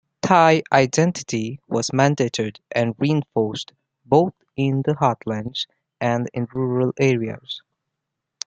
Thai identity was mandated and reinforced both in the heartlands and in rural areas.